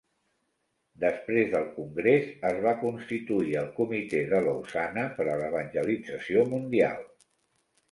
Després del congrés, es va constituir el Comitè de Lausana per a l'Evangelització Mundial.